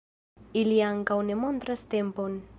Ili ankaŭ ne montras tempon.